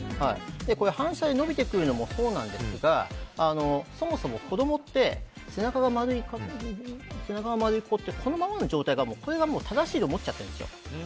反射で伸びてくるのもそうなんですがそもそも子供で背中が丸い子ってこのままの状態が正しいと思っちゃってるんですよ。